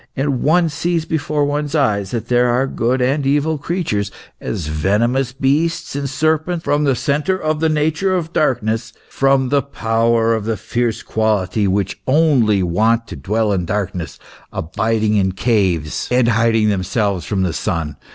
... As one sees before one's eyes that there are good and evil creatures ; as venomous beasts and serpents from the centre of the nature of darkness, from the power of the fierce quality, which only want to dwell in darkness, abiding in caves and hiding themselves from the sun.